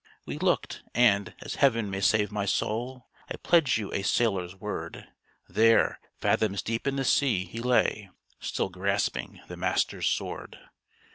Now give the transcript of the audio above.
We looked; and, as Heaven may save my soul, I pledge you a sailor's word, There, fathoms deep in the sea, he lay, Still grasping the master's sword!